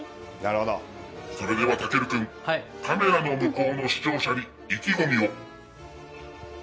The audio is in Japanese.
それでは健君、カメラの向こうの視聴者に意気込みを。